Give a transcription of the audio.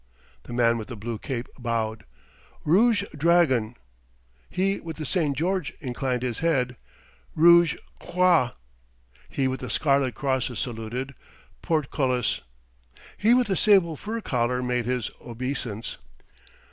The man with the blue cape bowed. "Rouge Dragon." He with the St. George inclined his head. "Rouge Croix." He with the scarlet crosses saluted. "Portcullis." He with the sable fur collar made his obeisance.